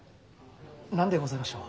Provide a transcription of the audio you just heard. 何でございましょう？